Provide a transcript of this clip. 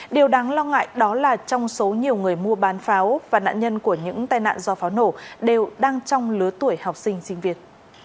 điều đáng lo ngại đó là trong số nhiều người mua bán pháo và nạn nhân của những tai nạn do pháo nổ đều đang trong lứa tuổi học sinh sinh viên